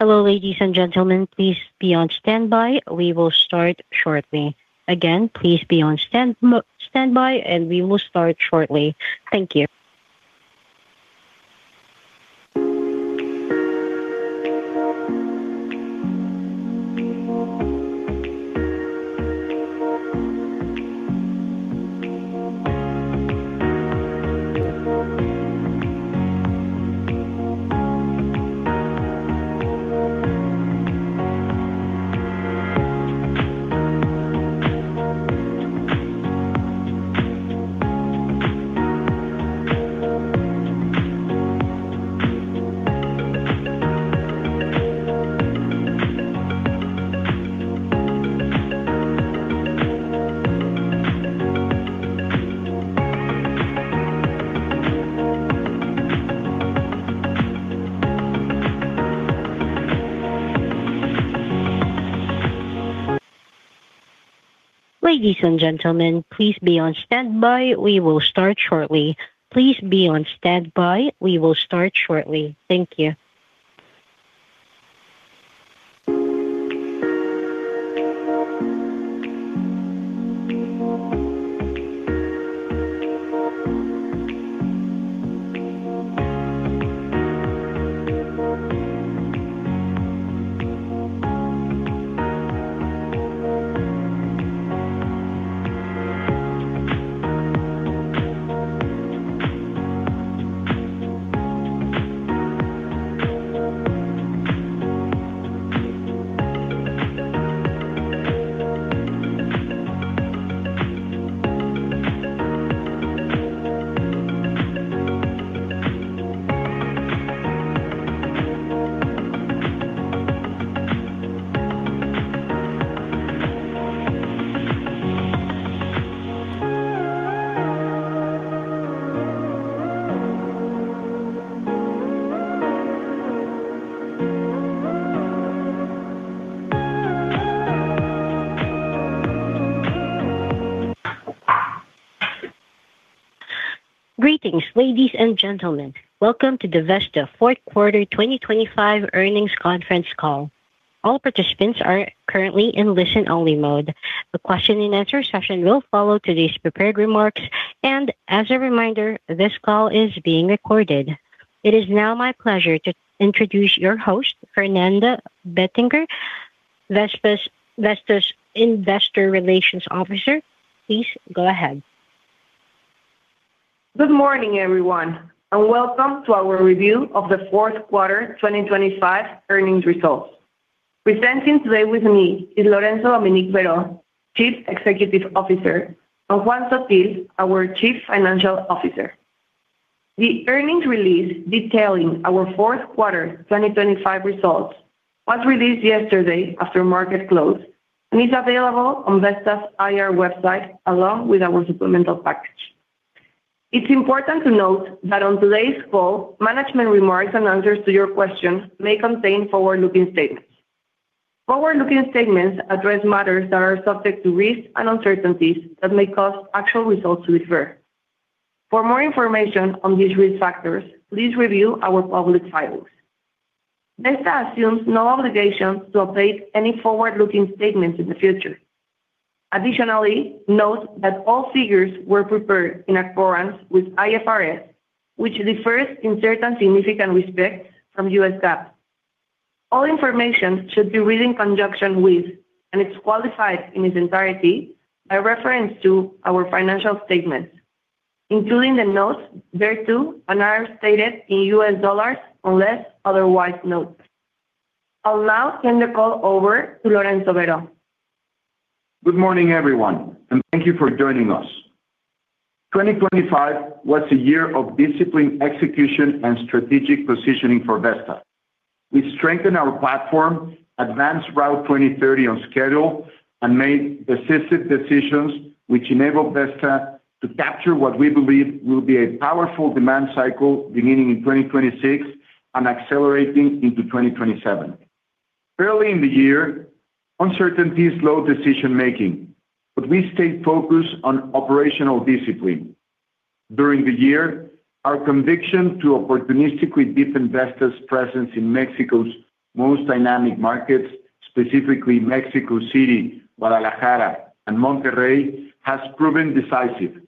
Hello, ladies and gentlemen. Please be on standby. We will start shortly. Again, please be on standby, and we will start shortly. Thank you. Ladies and gentlemen, please be on standby. We will start shortly. Please be on standby. We will start shortly. Thank you. Greetings, ladies and gentlemen. Welcome to the Vesta fourth quarter 2025 earnings conference call. All participants are currently in listen-only mode. The question-and-answer session will follow today's prepared remarks, and as a reminder, this call is being recorded. It is now my pleasure to introduce your host, Fernanda Bettinger, Vesta's, Vesta's Investor Relations Officer. Please go ahead. Good morning, everyone, and welcome to our review of the fourth quarter 2025 earnings results. Presenting today with me is Lorenzo Dominique Berho Carranza, Chief Executive Officer, and Juan Felipe Sottil Achutegui, our Chief Financial Officer. The earnings release detailing our fourth quarter 2025 results was released yesterday after market close and is available on Vesta's IR website, along with our supplemental package. It's important to note that on today's call, management remarks and answers to your questions may contain forward-looking statements. Forward-looking statements address matters that are subject to risks and uncertainties that may cause actual results to differ. For more information on these risk factors, please review our public filings. Vesta assumes no obligation to update any forward-looking statements in the future. Additionally, note that all figures were prepared in accordance with IFRS, which differs in certain significant respects from U.S. GAAP. All information should be read in conjunction with, and it's qualified in its entirety, by reference to our financial statements, including the notes thereto and are stated in U.S. dollars, unless otherwise noted. I'll now turn the call over to Lorenzo Berho. Good morning, everyone, and thank you for joining us. 2025 was a year of disciplined execution and strategic positioning for Vesta. We strengthened our platform, advanced Route 2030 on schedule, and made decisive decisions, which enabled Vesta to capture what we believe will be a powerful demand cycle beginning in 2026 and accelerating into 2027. Early in the year, uncertainties slowed decision-making, but we stayed focused on operational discipline. During the year, our conviction to opportunistically deepen Vesta's presence in Mexico's most dynamic markets, specifically Mexico City, Guadalajara, and Monterrey, has proven decisive.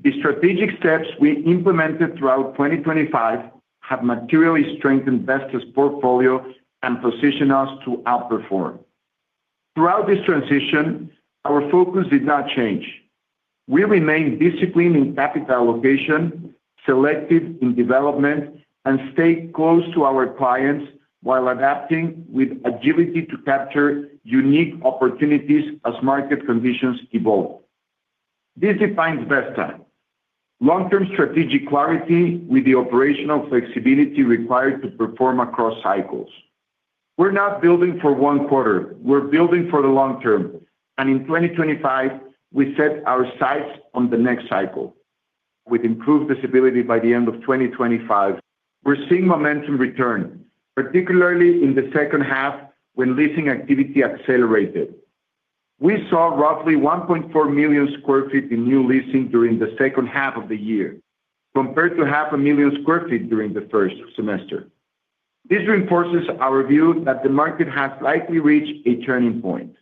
The strategic steps we implemented throughout 2025 have materially strengthened Vesta's portfolio and positioned us to outperform. Throughout this transition, our focus did not change. We remained disciplined in capital allocation, selective in development, and stayed close to our clients while adapting with agility to capture unique opportunities as market conditions evolve. This defines Vesta: long-term strategic clarity with the operational flexibility required to perform across cycles. We're not building for 1/4, we're building for the long term, and in 2025, we set our sights on the next cycle. With improved visibility by the end of 2025, we're seeing momentum return, particularly in the second half, when leasing activity accelerated. We saw roughly 1.4 million sq ft in new leasing during the second half of the year, compared to 500,000 sq ft during the first semester. This reinforces our view that the market has likely reached a turning point.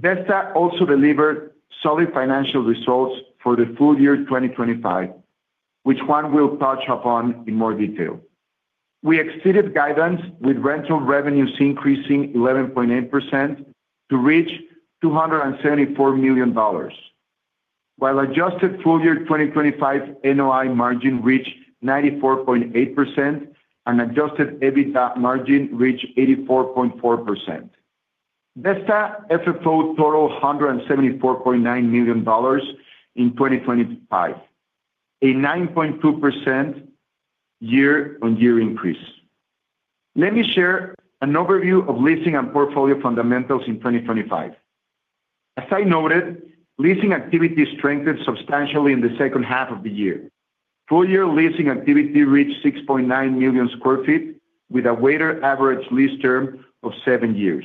Vesta also delivered solid financial results for the full year 2025, which Juan will touch upon in more detail. We exceeded guidance, with rental revenues increasing 11.8% to reach $274 million. While adjusted full year 2025 NOI margin reached 94.8% and adjusted EBITDA margin reached 84.4%. Vesta FFO totaled $174.9 million in 2025, a 9.2% year-on-year increase. Let me share an overview of leasing and portfolio fundamentals in 2025. As I noted, leasing activity strengthened substantially in the second half of the year. Full year leasing activity reached 6.9 million sq ft, with a weighted average lease term of seven years,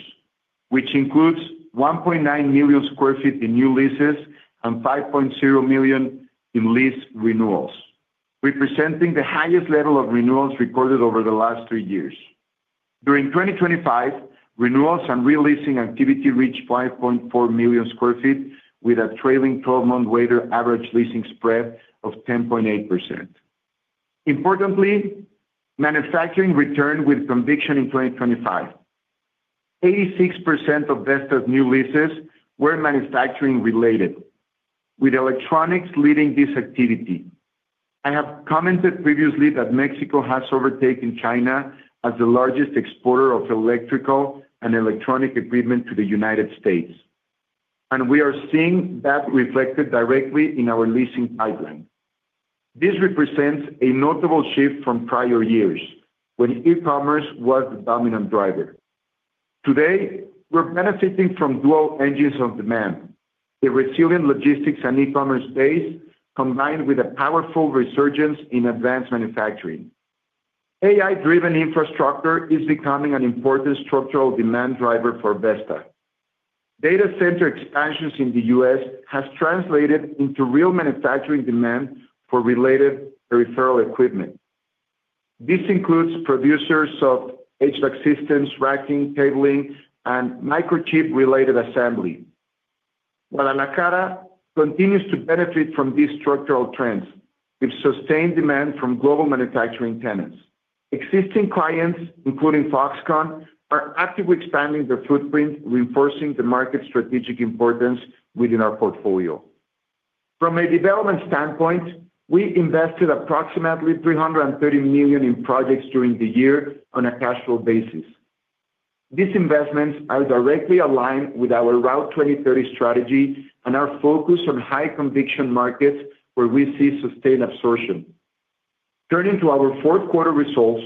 which includes 1.9 million sq ft in new leases and 5.0 million in lease renewals, representing the highest level of renewals recorded over the last three years. During 2025, renewals and re-leasing activity reached 5.4 million sq ft, with a trailing 12-month weighted average leasing spread of 10.8%. Importantly, manufacturing returned with conviction in 2025. 86% of Vesta's new leases were manufacturing related, with electronics leading this activity. I have commented previously that Mexico has overtaken China as the largest exporter of electrical and electronic equipment to the United States, and we are seeing that reflected directly in our leasing pipeline. This represents a notable shift from prior years, when e-commerce was the dominant driver. Today, we're benefiting from dual engines of demand: a resilient logistics and e-commerce base, combined with a powerful resurgence in advanced manufacturing. AI-driven infrastructure is becoming an important structural demand driver for Vesta. Data center expansions in the U.S. has translated into real manufacturing demand for related peripheral equipment. This includes producers of HVAC systems, racking, cabling, and microchip-related assembly. Guadalajara continues to benefit from these structural trends, with sustained demand from global manufacturing tenants. Existing clients, including Foxconn, are actively expanding their footprint, reinforcing the market's strategic importance within our portfolio. From a development standpoint, we invested approximately $330 million in projects during the year on a cash flow basis. These investments are directly aligned with our Route 2030 strategy and our focus on high-conviction markets where we see sustained absorption. Turning to our fourth quarter results,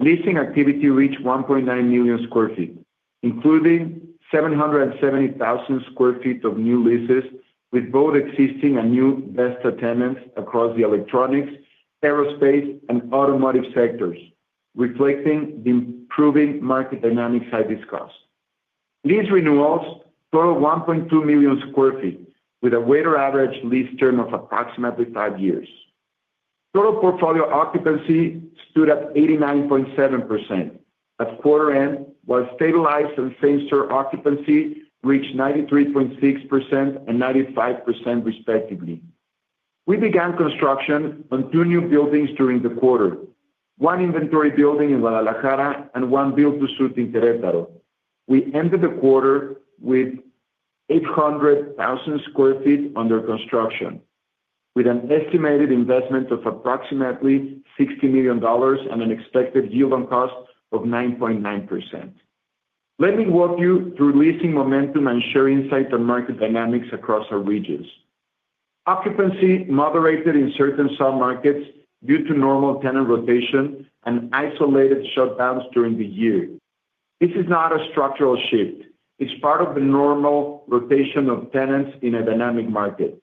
leasing activity reached 1.9 million sq ft, including 770,000 sq ft of new leases, with both existing and new Vesta tenants across the electronics, aerospace, and automotive sectors, reflecting the improving market dynamics I discussed. Lease renewals total 1.2 million sq ft, with a weighted average lease term of approximately five years. Total portfolio occupancy stood at 89.7%. At quarter end, while stabilized and same-store occupancy reached 93.6% and 95% respectively. We began construction on two new buildings during the quarter, one inventory building in Guadalajara and one build-to-suit in Querétaro. We ended the quarter with 800,000 sq ft under construction, with an estimated investment of approximately $60 million and an expected yield on cost of 9.9%. Let me walk you through leasing momentum and share insights on market dynamics across our regions. Occupancy moderated in certain submarkets due to normal tenant rotation and isolated shutdowns during the year. This is not a structural shift; it's part of the normal rotation of tenants in a dynamic market.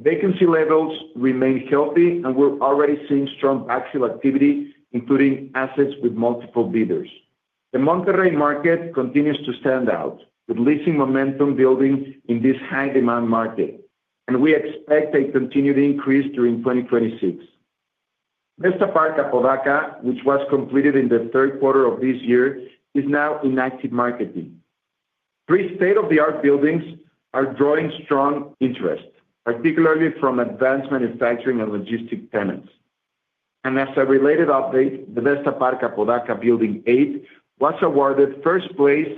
Vacancy levels remain healthy, and we're already seeing strong actual activity, including assets with multiple bidders. The Monterrey market continues to stand out, with leasing momentum building in this high-demand market, and we expect a continued increase during 2026. Vesta Park Apodaca, which was completed in the third quarter of this year, is now in active marketing. Three state-of-the-art buildings are drawing strong interest, particularly from advanced manufacturing and logistic tenants. And as a related update, the Vesta Park Apodaca Building 8 was awarded first place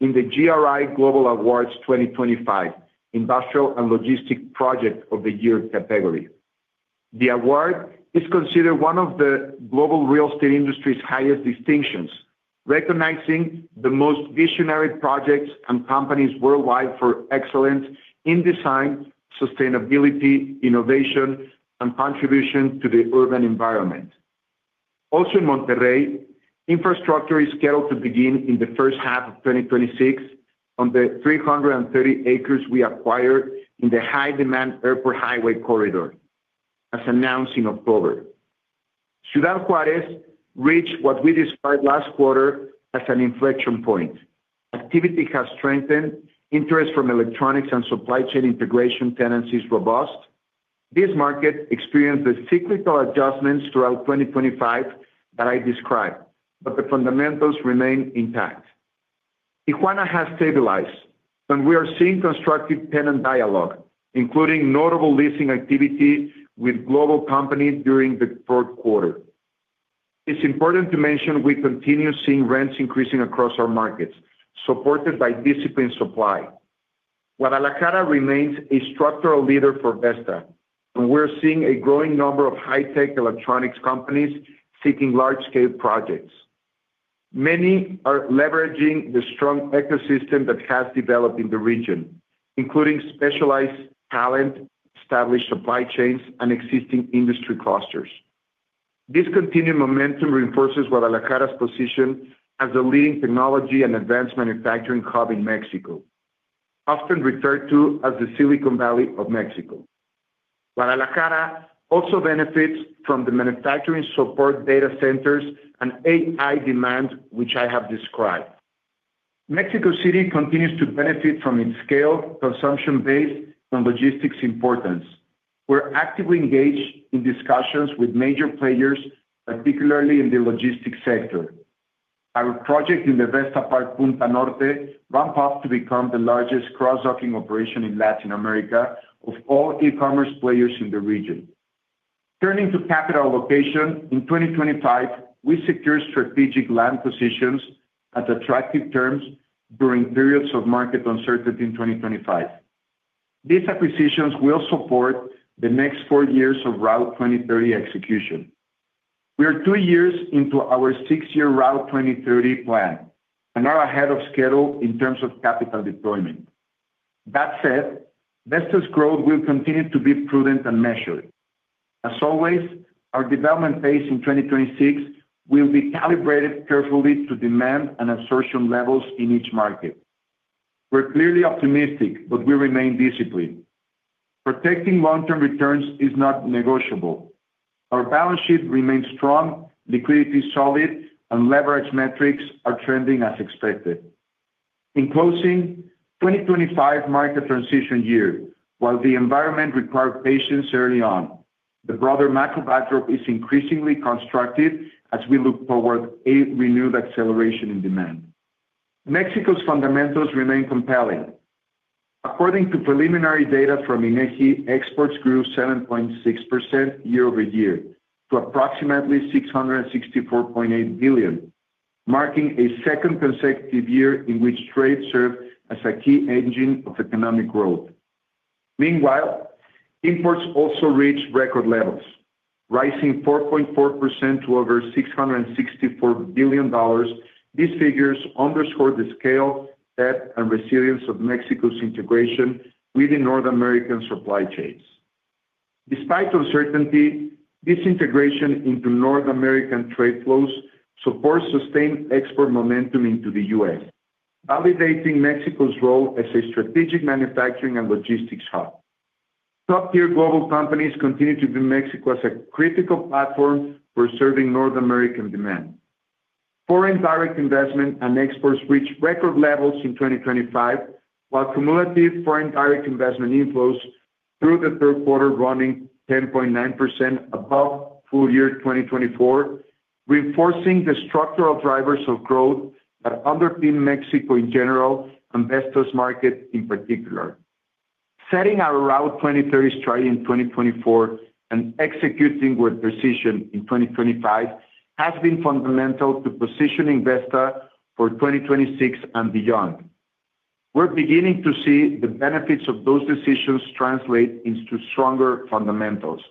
in the GRI Global Awards 2025, Industrial and Logistic Project of the Year category. The award is considered one of the global real estate industry's highest distinctions, recognizing the most visionary projects and companies worldwide for excellence in design, sustainability, innovation, and contribution to the urban environment. Also in Monterrey, infrastructure is scheduled to begin in the first half of 2026 on the 330 acres we acquired in the high-demand airport highway corridor, as announced in October. Ciudad Juárez reached what we described last quarter as an inflection point. Activity has strengthened, interest from electronics and supply chain integration tenancy is robust. This market experienced the cyclical adjustments throughout 2025 that I described, but the fundamentals remain intact. Tijuana has stabilized, and we are seeing constructive tenant dialogue, including notable leasing activity with global companies during the third quarter. It's important to mention, we continue seeing rents increasing across our markets, supported by disciplined supply. Guadalajara remains a structural leader for Vesta, and we're seeing a growing number of high-tech electronics companies seeking large-scale projects. Many are leveraging the strong ecosystem that has developed in the region, including specialized talent, established supply chains, and existing industry clusters. This continued momentum reinforces Guadalajara's position as a leading technology and advanced manufacturing hub in Mexico, often referred to as the Silicon Valley of Mexico. Guadalajara also benefits from the manufacturing support data centers and AI demand, which I have described. Mexico City continues to benefit from its scale, consumption base, and logistics importance. We're actively engaged in discussions with major players, particularly in the logistics sector. Our project in the Vesta Park Punta Norte, ramp up to become the largest cross-docking operation in Latin America of all e-commerce players in the region. Turning to capital allocation, in 2025, we secured strategic land positions at attractive terms during periods of market uncertainty in 2025. These acquisitions will support the next four years of Route 2030 execution. We are two years into our six-year Route 2030 plan and are ahead of schedule in terms of capital deployment. That said, Vesta's growth will continue to be prudent and measured. As always, our development pace in 2026 will be calibrated carefully to demand and assertion levels in each market. We're clearly optimistic, but we remain disciplined. Protecting long-term returns is not negotiable. Our balance sheet remains strong, liquidity is solid, and leverage metrics are trending as expected. In closing, 2025 marked a transition year. While the environment required patience early on, the broader macro backdrop is increasingly constructive as we look toward a renewed acceleration in demand. Mexico's fundamentals remain compelling. According to preliminary data from INEGI, exports grew 7.6% year-over-year to approximately $664.8 billion, marking a second consecutive year in which trade served as a key engine of economic growth. Meanwhile, imports also reached record levels, rising 4.4% to over $664 billion. These figures underscore the scale, depth, and resilience of Mexico's integration with the North American supply chains. Despite uncertainty, this integration into North American trade flows supports sustained export momentum into the U.S., validating Mexico's role as a strategic manufacturing and logistics hub. Top-tier global companies continue to view Mexico as a critical platform for serving North American demand. Foreign direct investment and exports reached record levels in 2025, while cumulative foreign direct investment inflows through the third quarter, running 10.9% above full year 2024, reinforcing the structural drivers of growth that underpin Mexico in general and Vesta's market in particular. Setting our Route 2030 strategy in 2024 and executing with precision in 2025 has been fundamental to positioning Vesta for 2026 and beyond. We're beginning to see the benefits of those decisions translate into stronger fundamentals,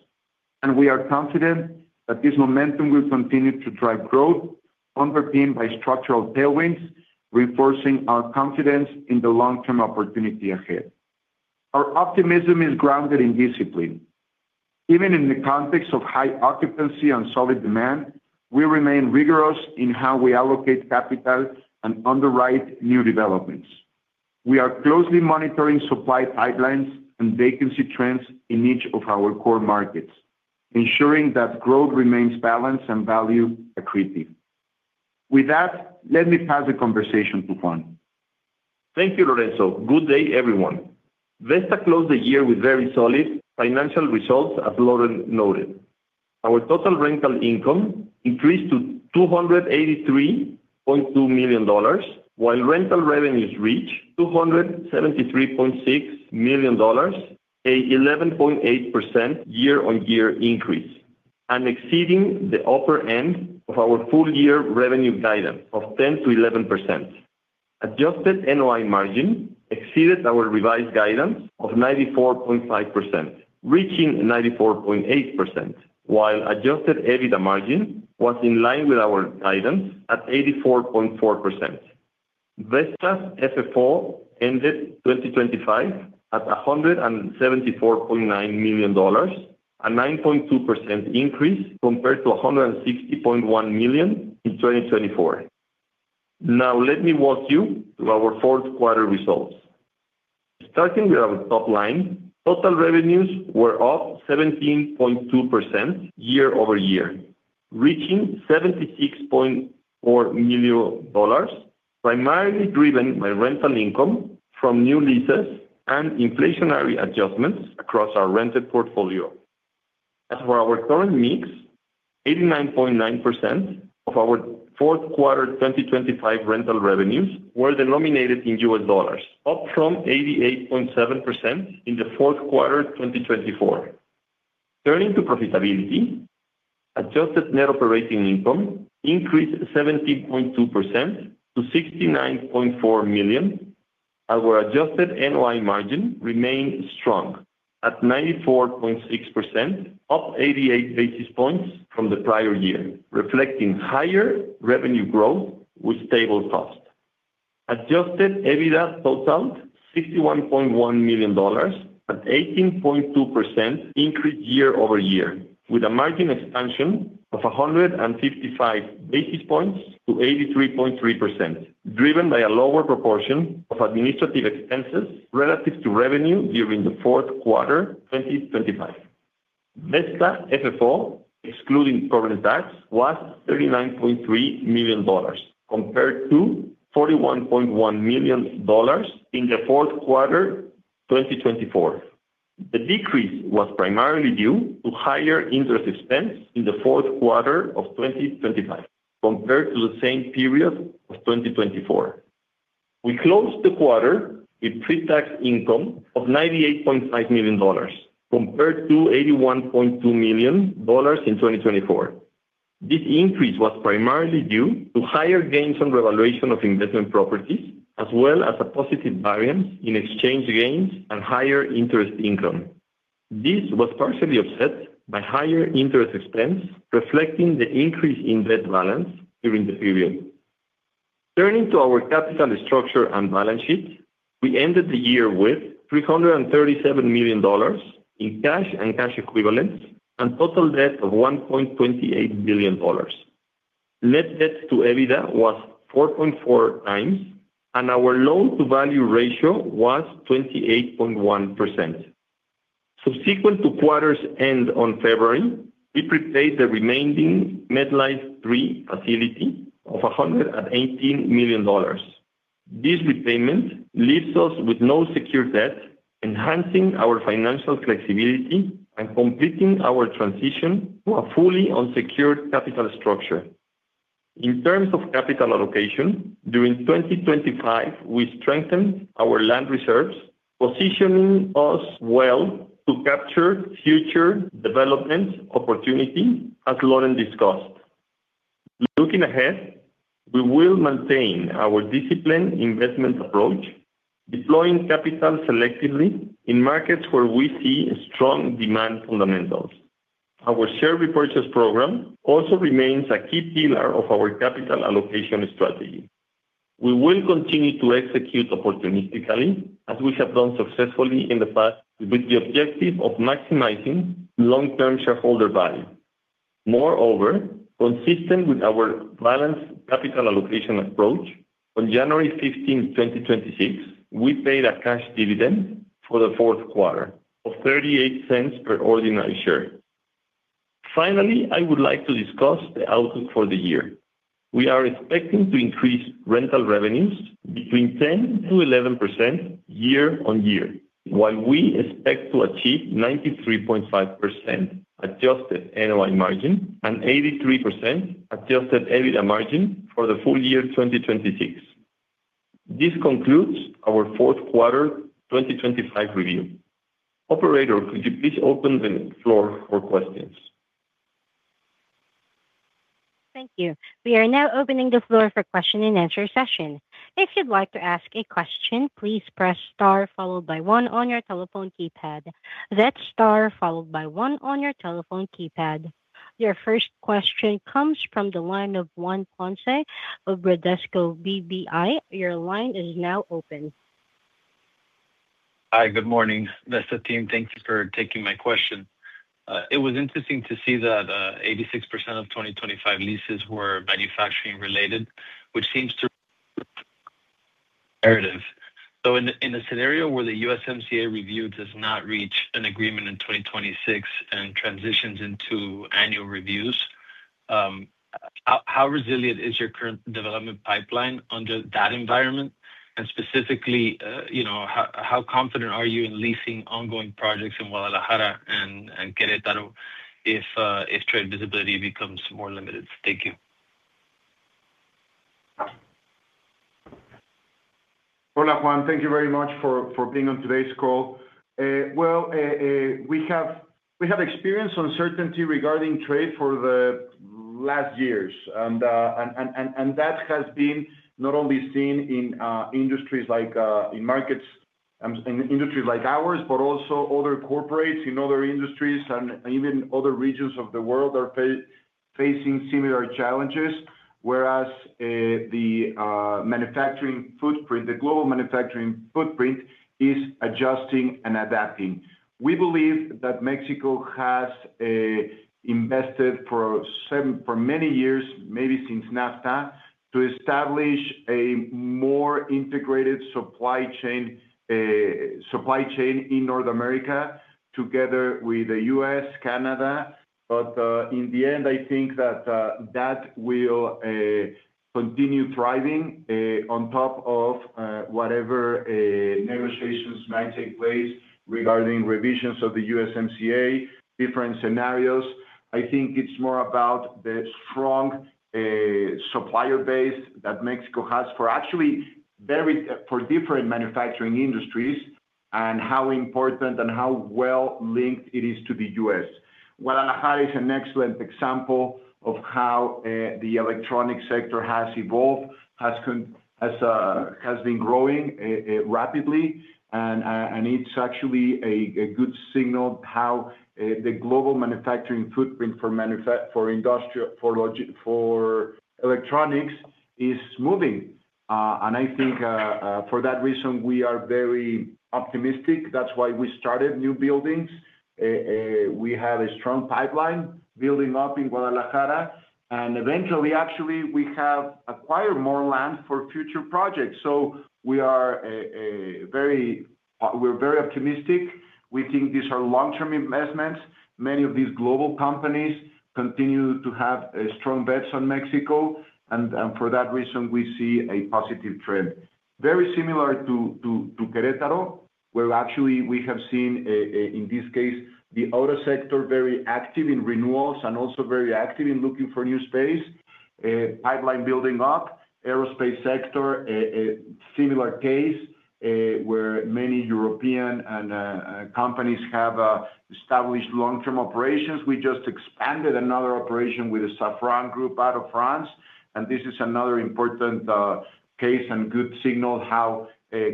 and we are confident that this momentum will continue to drive growth, underpinned by structural tailwinds, reinforcing our confidence in the long-term opportunity ahead. Our optimism is grounded in discipline. Even in the context of high occupancy and solid demand, we remain rigorous in how we allocate capital and underwrite new developments. We are closely monitoring supply pipelines and vacancy trends in each of our core markets, ensuring that growth remains balanced and value accretive. With that, let me pass the conversation to Juan. Thank you, Lorenzo. Good day, everyone. Vesta closed the year with very solid financial results, as Loren noted. Our total rental income increased to $283.2 million, while rental revenues reached $273.6 million, an 11.8% year-on-year increase, and exceeding the upper end of our full year revenue guidance of 10%-11%. Adjusted NOI margin exceeded our revised guidance of 94.5%, reaching 94.8%, while adjusted EBITDA margin was in line with our guidance at 84.4%. Vesta's FFO ended 2025 at $174.9 million, a 9.2% increase compared to $160.1 million in 2024. Now, let me walk you through our fourth quarter results. Starting with our top line, total revenues were up 17.2% year-over-year, reaching $76.4 million, primarily driven by rental income from new leases and inflationary adjustments across our rented portfolio. As for our current mix, 89.9% of our fourth quarter 2025 rental revenues were denominated in U.S. dollars, up from 88.7% in the fourth quarter 2024. Turning to profitability, adjusted net operating income increased 17.2% to $69.4 million, and our adjusted NOI margin remained strong at 94.6%, up 88 basis points from the prior year, reflecting higher revenue growth with stable cost. Adjusted EBITDA totaled $61.1 million, an 18.2% increase year-over-year, with a margin expansion of 155 basis points to 83.3%, driven by a lower proportion of administrative expenses relative to revenue during the fourth quarter 2025. Vesta FFO, excluding corporate tax, was $39.3 million, compared to $41.1 million in the fourth quarter 2024. The decrease was primarily due to higher interest expense in the fourth quarter of 2025 compared to the same period of 2024. We closed the quarter with pre-tax income of $98.5 million, compared to $81.2 million in 2024. This increase was primarily due to higher gains on revaluation of investment properties, as well as a positive variance in exchange gains and higher interest income. This was partially offset by higher interest expense, reflecting the increase in debt balance during the period. Turning to our capital structure and balance sheet, we ended the year with $337 million in cash and cash equivalents, and total debt of $1.28 billion. Net debt to EBITDA was 4.4x, and our loan-to-value ratio was 28.1%. Subsequent to quarter's end on February, we prepaid the remaining MetLife III facility of $118 million. This repayment leaves us with no secure debt, enhancing our financial flexibility and completing our transition to a fully unsecured capital structure. In terms of capital allocation, during 2025, we strengthened our land reserves, positioning us well to capture future development opportunity, as Loren discussed. Looking ahead, we will maintain our disciplined investment approach, deploying capital selectively in markets where we see strong demand fundamentals. Our share repurchase program also remains a key pillar of our capital allocation strategy. We will continue to execute opportunistically, as we have done successfully in the past, with the objective of maximizing long-term shareholder value. Moreover, consistent with our balanced capital allocation approach, on January 15, 2026, we paid a cash dividend for the fourth quarter of $0.38 per ordinary share. Finally, I would like to discuss the outlook for the year. We are expecting to increase rental revenues between 10%-11% year-on-year, while we expect to achieve 93.5% adjusted NOI margin and 83% adjusted EBITDA margin for the full year 2026. This concludes our fourth quarter 2025 review. Operator, could you please open the floor for questions? Thank you. We are now opening the floor for question-and-answer session. If you'd like to ask a question, please press star followed by one on your telephone keypad. That's star followed by one on your telephone keypad. Your first question comes from the line of Juan Ponce of Bradesco BBI. Your line is now open. Hi, good morning, Vesta team. Thank you for taking my question. It was interesting to see that 86% of 2025 leases were manufacturing related, which seems to narrative. So in a scenario where the USMCA review does not reach an agreement in 2026 and transitions into annual reviews, how resilient is your current development pipeline under that environment? And specifically, you know, how confident are you in leasing ongoing projects in Guadalajara and Querétaro, if trade visibility becomes more limited? Thank you. Hola, Juan. Thank you very much for being on today's call. Well, we have experienced uncertainty regarding trade for the last years. And that has been not only seen in industries like in markets, in industries like ours, but also other corporates in other industries and even other regions of the world are fa-... facing similar challenges, whereas the manufacturing footprint, the global manufacturing footprint is adjusting and adapting. We believe that Mexico has invested for many years, maybe since NAFTA, to establish a more integrated supply chain in North America, together with the U.S., Canada. But in the end, I think that that will continue thriving on top of whatever negotiations might take place regarding revisions of the USMCA, different scenarios. I think it's more about the strong supplier base that Mexico has for actually very different manufacturing industries, and how important and how well linked it is to the U.S. Guadalajara is an excellent example of how the electronic sector has evolved, has been growing rapidly, and it's actually a good signal how the global manufacturing footprint for electronics is moving. And I think for that reason, we are very optimistic. That's why we started new buildings. We have a strong pipeline building up in Guadalajara, and eventually, actually, we have acquired more land for future projects. So we are very optimistic. We think these are long-term investments. Many of these global companies continue to have strong bets on Mexico, and for that reason, we see a positive trend. Very similar to Querétaro, where actually we have seen, in this case, the auto sector, very active in renewals and also very active in looking for new space. Pipeline building up. Aerospace sector, a similar case, where many European and companies have established long-term operations. We just expanded another operation with the Safran group out of France, and this is another important case and good signal how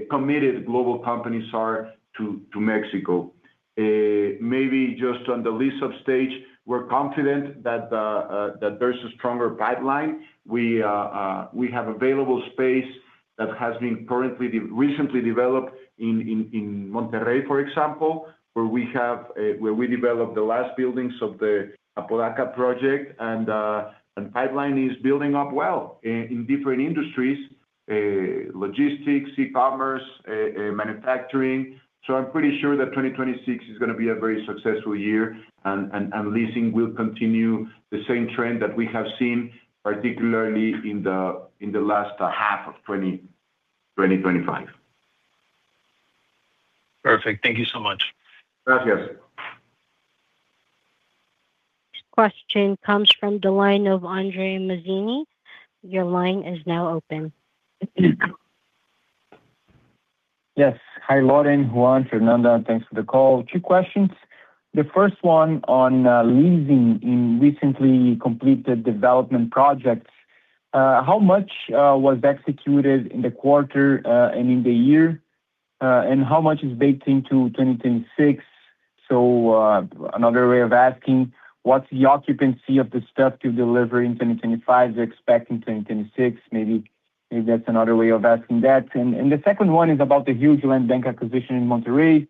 committed global companies are to Mexico. Maybe just on the lease-up stage, we're confident that there's a stronger pipeline. We have available space that has been recently developed in Monterrey, for example, where we developed the last buildings of the Apodaca project, and pipeline is building up well in different industries, logistics, e-commerce, manufacturing. So I'm pretty sure that 2026 is gonna be a very successful year, and leasing will continue the same trend that we have seen, particularly in the last half of 2025. Perfect. Thank you so much. Gracias. Question comes from the line of Andre Mazini. Your line is now open. Yes. Hi, Lorenzo, Juan, Fernanda, and thanks for the call. Two questions. The first one on leasing in recently completed development projects. How much was executed in the quarter and in the year? And how much is baked into 2026? So another way of asking, what's the occupancy of the stuff to deliver in 2025, you're expecting 2026? Maybe, maybe that's another way of asking that. And, and the second one is about the huge land bank acquisition in Monterrey.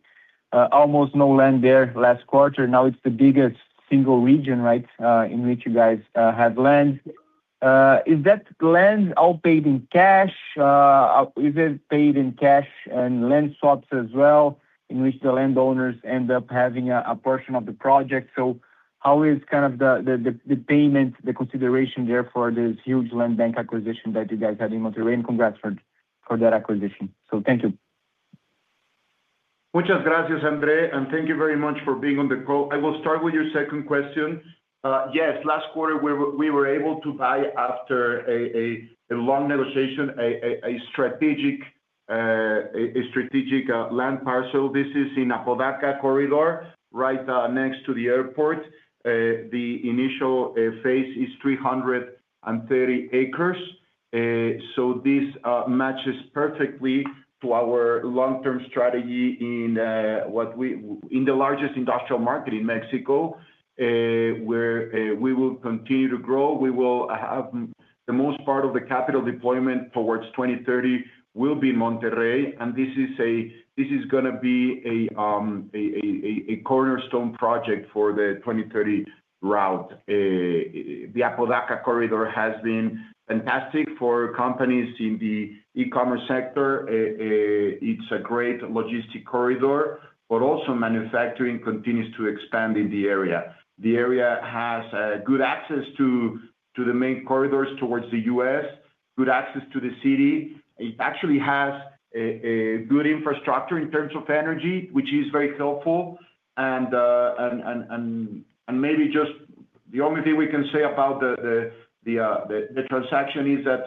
Almost no land there last quarter. Now it's the biggest single region, right, in which you guys have land. Is that land all paid in cash? Is it paid in cash and land swaps as well, in which the landowners end up having a portion of the project? So how is kind of the payment, the consideration there for this huge land bank acquisition that you guys had in Monterrey? And congrats for that acquisition. So thank you. Muchas gracias, Andre, and thank you very much for being on the call. I will start with your second question. Yes, last quarter, we were able to buy, after a long negotiation, a strategic land parcel. This is in Apodaca corridor, right, next to the airport. The initial phase is 330 acres. So this matches perfectly to our long-term strategy in the largest industrial market in Mexico, where we will continue to grow. The most part of the capital deployment towards 2030 will be in Monterrey, and this is gonna be a cornerstone project for the Route 2030. The Apodaca corridor has been fantastic for companies in the e-commerce sector. It's a great logistics corridor, but also manufacturing continues to expand in the area. The area has good access to the main corridors towards the U.S., good access to the city. It actually has a good infrastructure in terms of energy, which is very helpful. And maybe just the only thing we can say about the transaction is that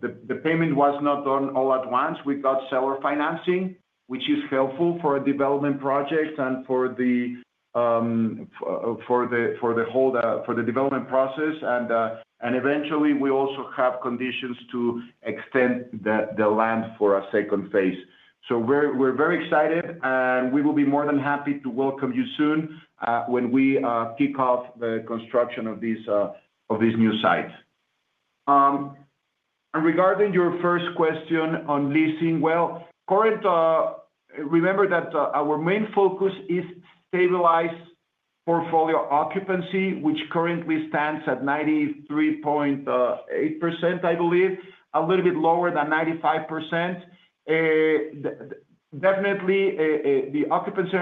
the payment was not done all at once. We got seller financing, which is helpful for a development project and for the whole development process. And eventually, we also have conditions to extend the land for a second phase. So we're very excited, and we will be more than happy to welcome you soon, when we kick off the construction of these new sites. And regarding your first question on leasing, well, currently, remember that our main focus is stabilize portfolio occupancy, which currently stands at 93.8%, I believe, a little bit lower than 95%. Definitely, the occupancy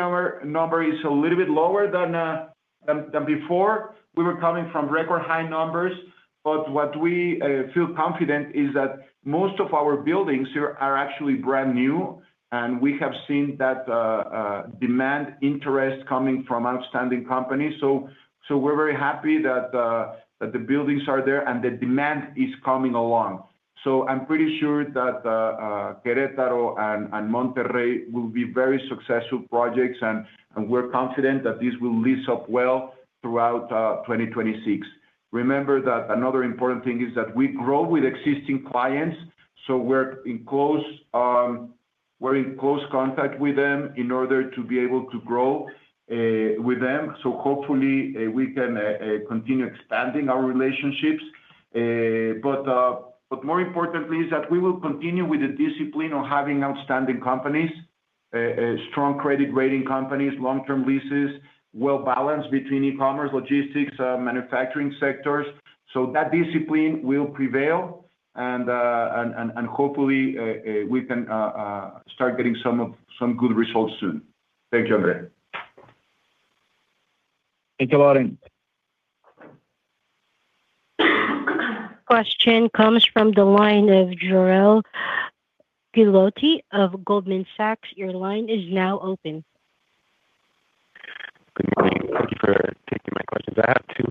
number is a little bit lower than before. We were coming from record high numbers, but what we feel confident is that most of our buildings here are actually brand new, and we have seen that demand interest coming from outstanding companies. So we're very happy that the buildings are there, and the demand is coming along. So I'm pretty sure that Querétaro and Monterrey will be very successful projects, and we're confident that this will lease up well throughout 2026. Remember that another important thing is that we grow with existing clients, so we're in close contact with them in order to be able to grow with them. So hopefully we can continue expanding our relationships. But more importantly, is that we will continue with the discipline of having outstanding companies, strong credit rating companies, long-term leases, well balanced between e-commerce, logistics, manufacturing sectors. So that discipline will prevail, and hopefully we can start getting some good results soon. Thank you, Andre. Thank you, Lauren. Question comes from the line of Jorel Guilloty of Goldman Sachs. Your line is now open. Good morning. Thank you for taking my questions. I have two.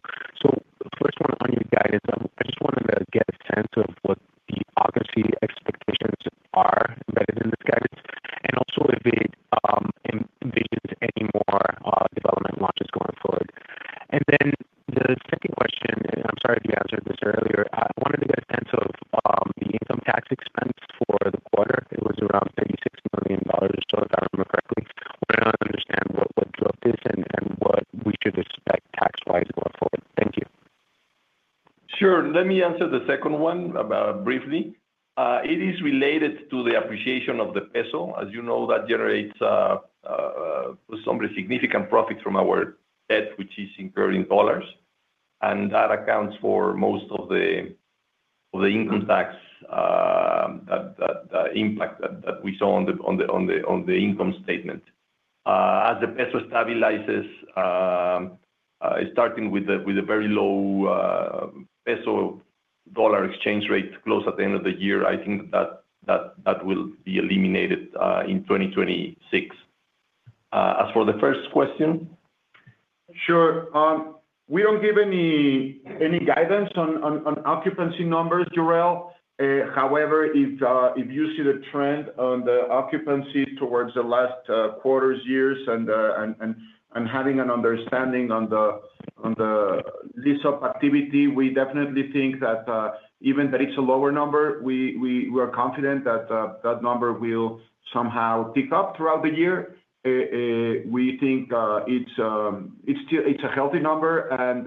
The first one on your guidance, I just wanted to get a sense of what the occupancy expectations are embedded in this guidance, and also if it envisions any more development launches going forward. Then the second question, and I'm sorry if you answered this earlier, I wanted to get a sense of the income tax expense for the quarter. It was around $36 million, or so if I remember correctly. Wanted to understand what drove this, and what we should expect tax-wise going forward. Thank you. Sure. Let me answer the second one briefly. It is related to the appreciation of the peso. As you know, that generates some significant profits from our debt, which is in U.S. dollars. And that accounts for most of the income tax, the impact that we saw on the income statement. As the peso stabilizes, starting with a very low peso-dollar exchange rate close at the end of the year, I think that will be eliminated in 2026. As for the first question? Sure. We don't give any guidance on occupancy numbers, Jorel. However, if you see the trend on the occupancy towards the last quarters, years, and having an understanding on the leasing activity, we definitely think that even that it's a lower number, we are confident that that number will somehow pick up throughout the year. We think it's still—it's a healthy number, and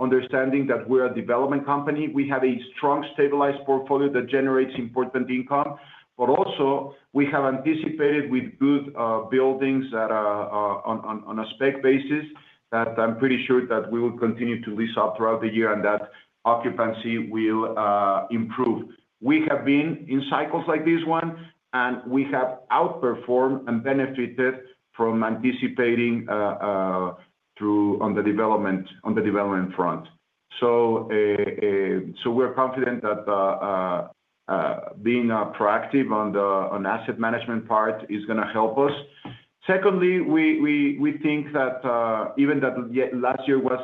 understanding that we're a development company, we have a strong, stabilized portfolio that generates important income. But also, we have anticipated with good buildings that are on a spec basis, that I'm pretty sure that we will continue to lease out throughout the year and that occupancy will improve. We have been in cycles like this one, and we have outperformed and benefited from anticipating through on the development front. So, we're confident that being proactive on the asset management part is gonna help us. Secondly, we think that even though last year was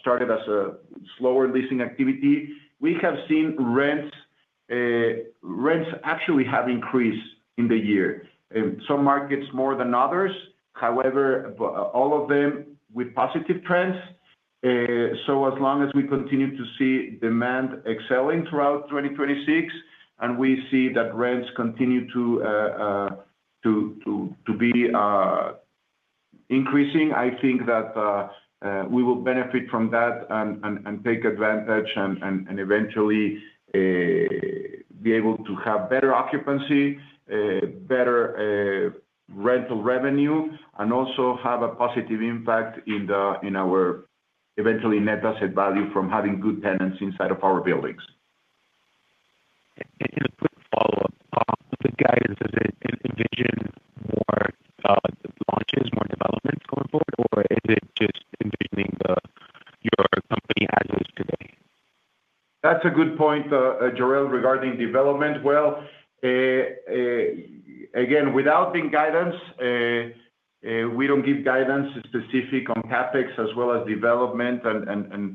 started as a slower leasing activity, we have seen rents actually have increased in the year. Some markets more than others, however, but all of them with positive trends. So as long as we continue to see demand excelling throughout 2026, and we see that rents continue to be increasing, I think that we will benefit from that and take advantage, and eventually be able to have better occupancy, better rental revenue, and also have a positive impact in our eventually net asset value from having good tenants inside of our buildings. A quick follow-up. The guidance, does it envision more launches, more developments going forward, or is it just envisioning your company as is today? That's a good point, Jorel, regarding development. Well, again, without the guidance, we don't give guidance specific on CapEx as well as development and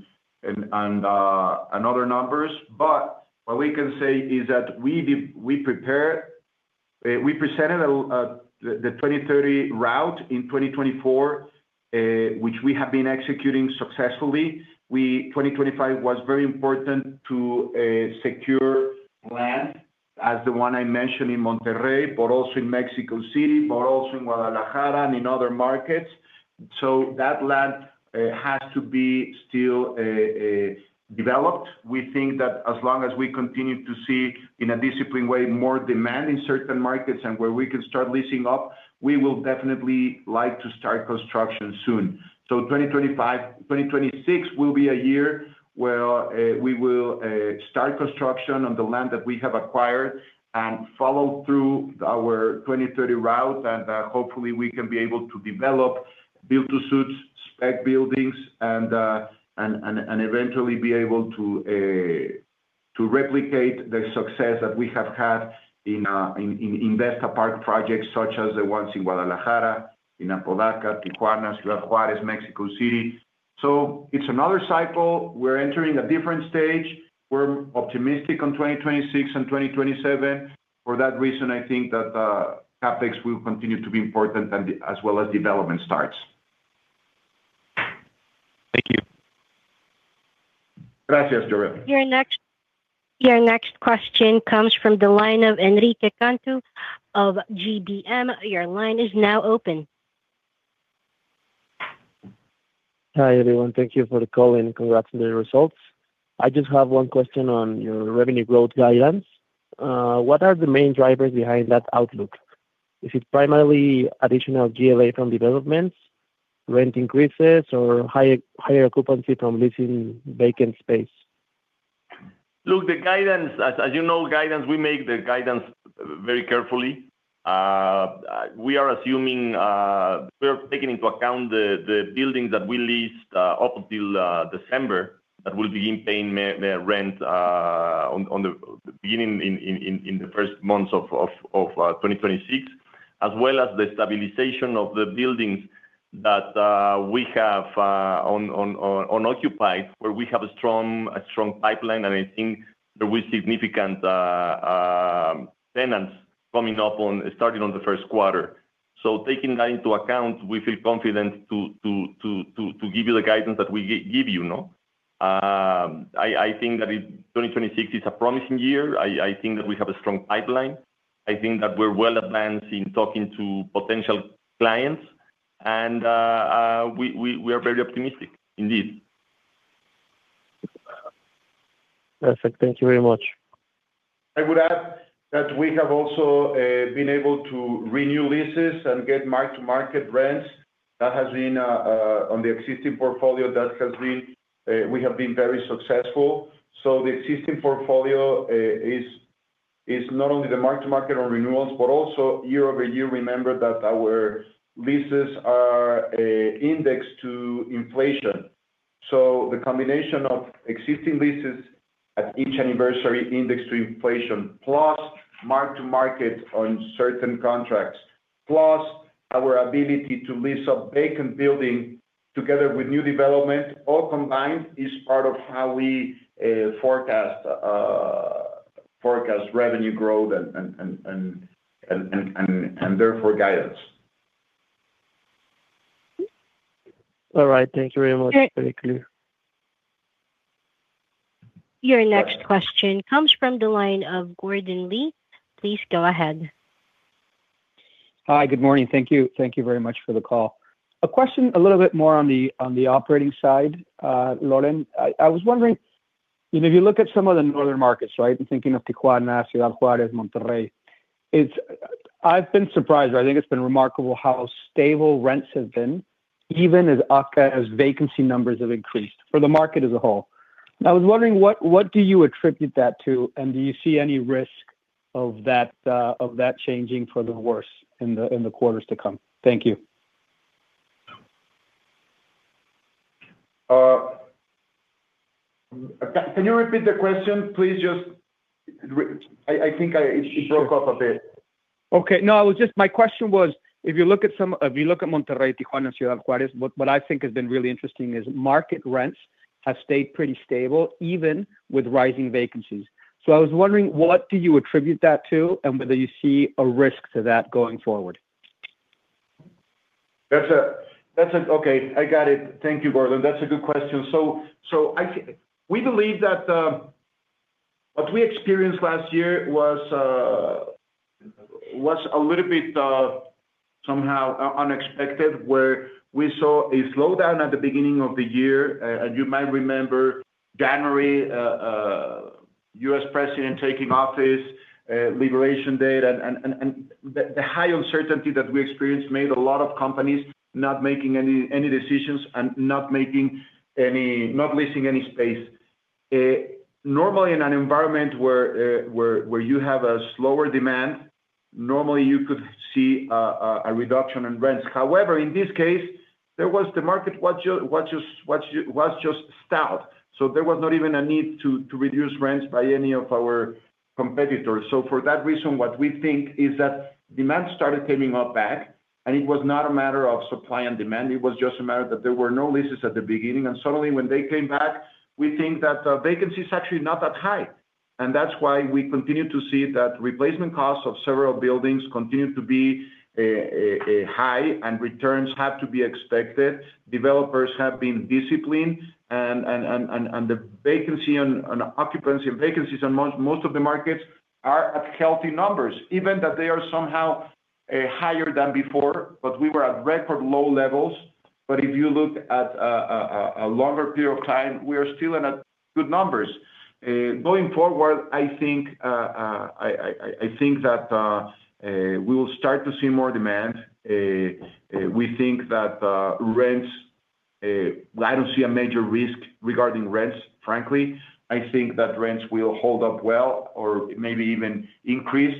other numbers. But what we can say is that we prepare, we presented a, the 2030 route in 2024, which we have been executing successfully. 2025 was very important to secure land as the one I mentioned in Monterrey, but also in Mexico City, but also in Guadalajara and in other markets. So that land has to be still developed. We think that as long as we continue to see, in a disciplined way, more demand in certain markets and where we can start leasing up, we will definitely like to start construction soon. So 2025-2026 will be a year where we will start construction on the land that we have acquired and follow through our Route 2030. And hopefully, we can be able to develop build-to-suits, spec buildings, and, and, and, and eventually be able to to replicate the success that we have had in Vesta Park projects, such as the ones in Guadalajara, in Apodaca, Tijuana, Ciudad Juárez, Mexico City. So it's another cycle. We're entering a different stage. We're optimistic on 2026 and 2027. For that reason, I think that CapEx will continue to be important and as well as development starts. Thank you. Gracias, Jorel. Your next question comes from the line of Enrique Cantú of GBM. Your line is now open. Hi, everyone. Thank you for the call, and congrats on the results. I just have one question on your revenue growth guidance. What are the main drivers behind that outlook? Is it primarily additional GLA from developments, rent increases, or higher occupancy from leasing vacant space? Look, the guidance, as you know, we make the guidance very carefully. We are assuming. We are taking into account the buildings that we leased up until December that will begin paying rent on the beginning in the first months of 2026, as well as the stabilization of the buildings that we have on occupied, where we have a strong pipeline. I think there will be significant tenants coming up, starting on the first quarter. So taking that into account, we feel confident to give you the guidance that we give you, no? I think that 2026 is a promising year. I think that we have a strong pipeline. I think that we're well advanced in talking to potential clients, and we are very optimistic indeed. Perfect. Thank you very much. I would add that we have also been able to renew leases and get mark-to-market rents. That has been on the existing portfolio; that has been, we have been very successful. So the existing portfolio is not only the mark-to-market on renewals, but also year-over-year; remember that our leases are indexed to inflation. So the combination of existing leases at each anniversary indexed to inflation, plus mark-to-market on certain contracts, plus our ability to lease a vacant building together with new development, all combined, is part of how we forecast revenue growth and therefore guidance. All right. Thank you very much. Very clear. Your next question comes from the line of Gordon Lee. Please go ahead. Hi, good morning. Thank you. Thank you very much for the call. A question a little bit more on the operating side, Loren. I was wondering, you know, if you look at some of the northern markets, right? I'm thinking of Tijuana, Ciudad Juárez, Monterrey. It's—I've been surprised, I think it's been remarkable how stable rents have been, even as vacancy numbers have increased for the market as a whole. I was wondering, what do you attribute that to, and do you see any risk of that changing for the worse in the quarters to come? Thank you. Can you repeat the question, please? I think it broke up a bit. Okay. No, I was just, my question was, if you look at Monterrey, Tijuana, Ciudad Juárez, what I think has been really interesting is market rents have stayed pretty stable, even with rising vacancies. So I was wondering, what do you attribute that to, and whether you see a risk to that going forward? Okay, I got it. Thank you, Gordon. That's a good question. We believe that what we experienced last year was a little bit somehow unexpected, where we saw a slowdown at the beginning of the year. And you might remember January, U.S. president taking office, liberation date, and the high uncertainty that we experienced made a lot of companies not making any decisions and not leasing any space. Normally, in an environment where you have a slower demand, normally you could see a reduction in rents. However, in this case, the market was just stout, so there was not even a need to reduce rents by any of our competitors. So for that reason, what we think is that demand started coming up back, and it was not a matter of supply and demand. It was just a matter that there were no leases at the beginning, and suddenly when they came back, we think that vacancy is actually not that high. And that's why we continue to see that replacement costs of several buildings continue to be high, and returns have to be expected. Developers have been disciplined, and the vacancy on occupancy and vacancies on most of the markets are at healthy numbers, even that they are somehow increasing higher than before, but we were at record low levels. But if you look at a longer period of time, we are still in good numbers. Going forward, I think we will start to see more demand. We think that rents, I don't see a major risk regarding rents, frankly. I think that rents will hold up well or maybe even increase.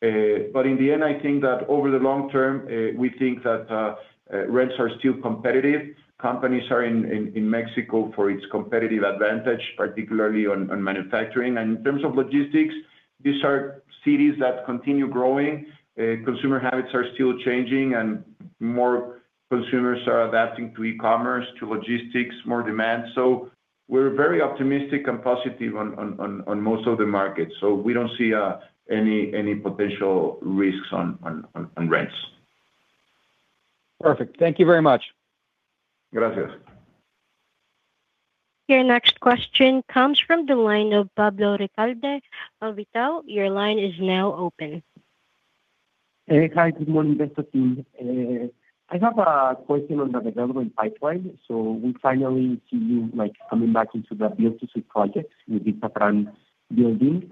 But in the end, I think that over the long term, we think that rents are still competitive. Companies are in Mexico for its competitive advantage, particularly on manufacturing. And in terms of logistics, these are cities that continue growing. Consumer habits are still changing, and more consumers are adapting to e-commerce, to logistics, more demand. So we're very optimistic and positive on most of the markets. So we don't see any potential risks on rents. Perfect. Thank you very much. Gracias. Your next question comes from the line of Pablo Ricalde of Itau. Your line is now open. Hey. Hi, good morning, Vesta team. I have a question on the development pipeline. So we finally see you, like, coming back into the build-to-suit projects with the Safran building.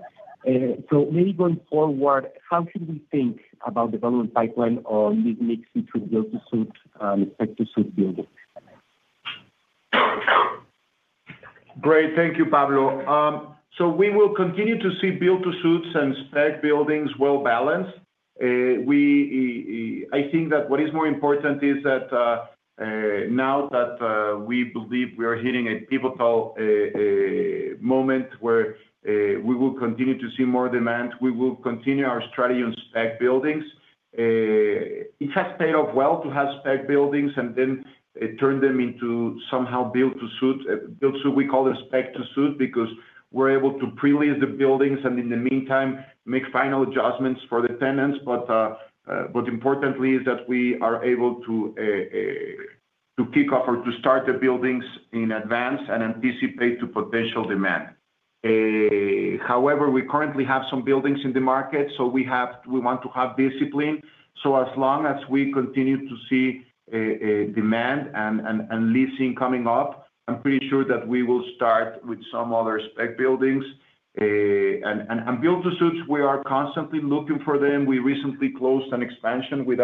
So maybe going forward, how should we think about development pipeline or the mix between build-to-suit and spec-to-suit building? Great. Thank you, Pablo. So we will continue to see build-to-suits and spec buildings well-balanced. I think that what is more important is that now that we believe we are hitting a pivotal moment where we will continue to see more demand, we will continue our strategy on spec buildings. It has paid off well to have spec buildings, and then it turned them into somehow build-to-suit. We call the spec-to-suit, because we're able to pre-lease the buildings, and in the meantime, make final adjustments for the tenants. But importantly is that we are able to to kick off or to start the buildings in advance and anticipate to potential demand. However, we currently have some buildings in the market, so we have, we want to have discipline. So as long as we continue to see a demand and leasing coming up, I'm pretty sure that we will start with some other spec buildings. And build-to-suits, we are constantly looking for them. We recently closed an expansion with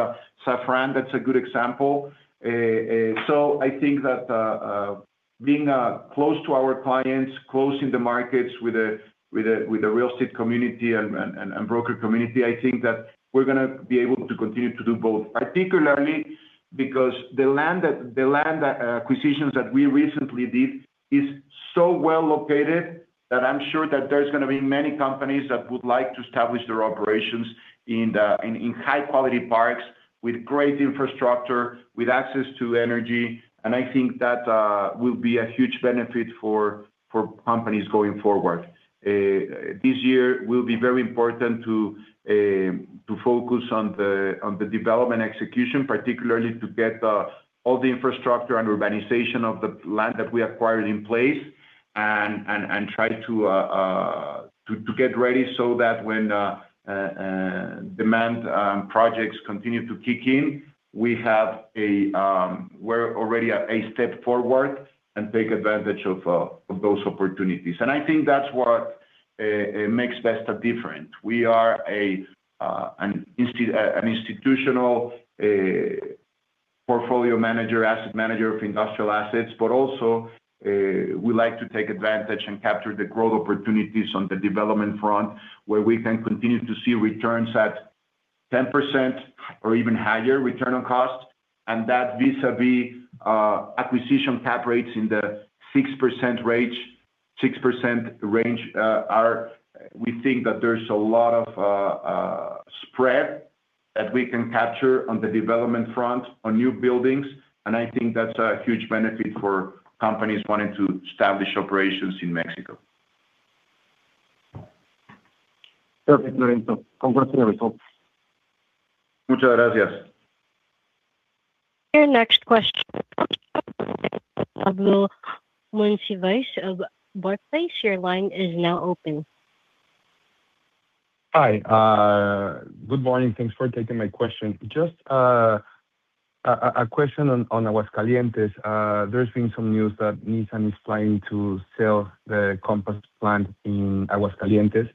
Safran. That's a good example. So I think that being close to our clients, close in the markets with the real estate community and broker community, I think that we're gonna be able to continue to do both. Particularly, because the land acquisitions that we recently did is so well located, that I'm sure that there's gonna be many companies that would like to establish their operations in high quality parks, with great infrastructure, with access to energy. I think that will be a huge benefit for companies going forward. This year will be very important to focus on the development execution, particularly to get all the infrastructure and urbanization of the land that we acquired in place, and try to get ready so that when demand projects continue to kick in, we have a-- we're already at a step forward and take advantage of those opportunities. And I think that's what makes Vesta different. We are an institutional portfolio manager, asset manager of industrial assets, but also we like to take advantage and capture the growth opportunities on the development front, where we can continue to see returns at 10% or even higher return on cost. And that vis-a-vis acquisition cap rates in the 6% range, 6% range, we think that there's a lot of spread that we can capture on the development front on new buildings, and I think that's a huge benefit for companies wanting to establish operations in Mexico. Perfect, Lorenzo. Congratulations. Mucho gracias. Your next question comes from Pablo Monsivais of Barclays. Your line is now open. Hi. Good morning. Thanks for taking my question. Just a question on Aguascalientes. There's been some news that Nissan is planning to sell the COMPAS plant in Aguascalientes.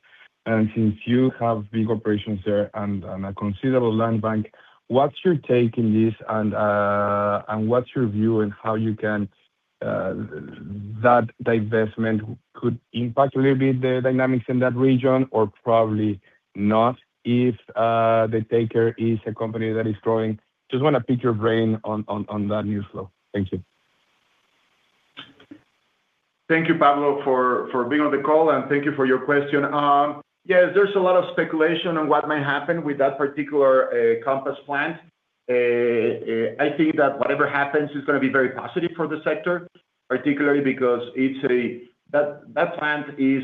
And since you have big operations there and a considerable land bank, what's your take in this, and what's your view on how you can that divestment could impact a little bit the dynamics in that region, or probably not, if the taker is a company that is growing? Just want to pick your brain on that news flow. Thank you. Thank you, Pablo, for being on the call, and thank you for your question. Yes, there's a lot of speculation on what may happen with that particular COMPAS plant. I think that whatever happens, it's gonna be very positive for the sector, particularly because it's a that plant is,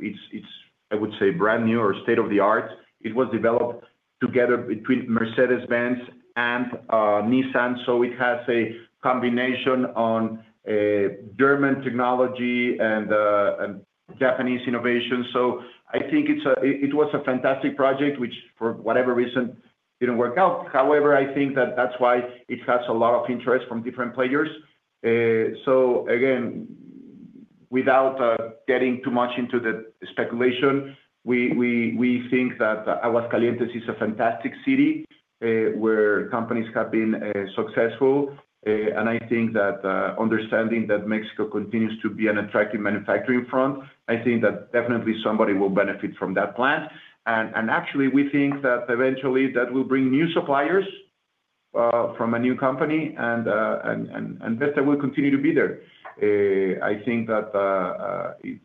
it's, I would say, brand new or state-of-the-art. It was developed together between Mercedes-Benz and Nissan, so it has a combination on German technology and Japanese innovation. So I think it's a it was a fantastic project, which, for whatever reason, didn't work out. However, I think that that's why it has a lot of interest from different players. So again, without getting too much into the speculation, we think that Aguascalientes is a fantastic city where companies have been successful. And I think that understanding that Mexico continues to be an attractive manufacturing front, I think that definitely somebody will benefit from that plant. And actually, we think that eventually that will bring new suppliers from a new company, and Vesta will continue to be there. I think that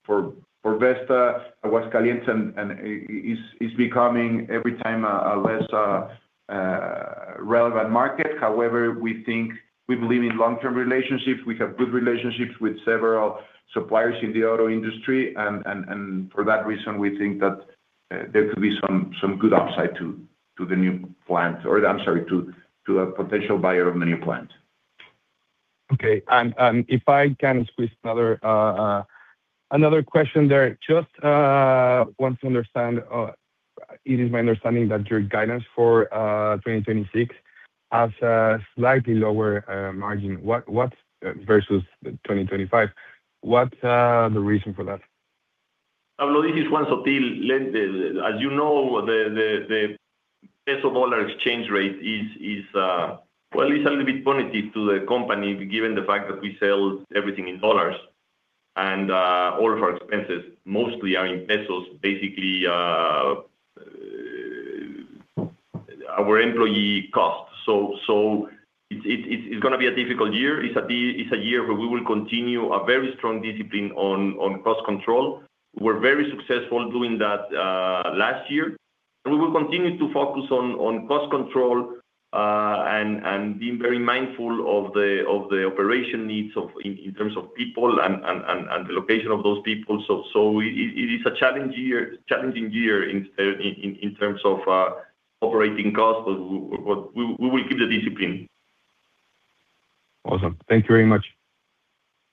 for Vesta, Aguascalientes is becoming every time a less relevant market. However, we think we believe in long-term relationships. We have good relationships with several suppliers in the auto industry, and for that reason, we think that there could be some good upside to the new plant or I'm sorry, to a potential buyer of the new plant. Okay. And if I can squeeze another question there. Just want to understand. It is my understanding that your guidance for 2026 has a slightly lower margin versus 2025. What the reason for that? Pablo, this is Juan Sottil. The—as you know, the peso-dollar exchange rate is, well, it's a little bit positive to the company, given the fact that we sell everything in dollars. And all of our expenses, mostly are in pesos, basically, our employee costs. So it's gonna be a difficult year. It's a year where we will continue a very strong discipline on cost control. We're very successful doing that last year, and we will continue to focus on cost control, and being very mindful of the operation needs in terms of people and the location of those people. So it is a challenging year in terms of operating costs, but we will keep the discipline. Awesome. Thank you very much.